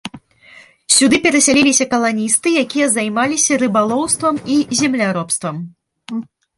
Сюды перасяляліся каланісты, якія займаліся рыбалоўствам і земляробствам.